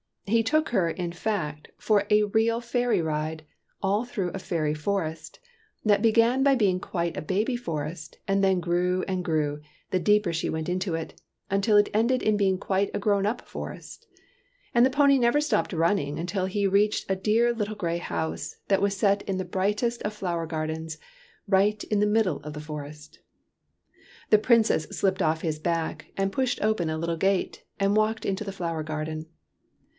He took her, in fact, for a real fairy ride, all through a fairy forest, that began by being quite a baby forest and then grew and grew, the deeper she went into it, until it ended in being quite a grown up forest. And the pony never stopped running away until he reached a dear little grey house, that was set in the brightest of flower gardens, right in the middle of the forest. The Princess slipped off his back and pushed open the little gate and walked into the flower garden.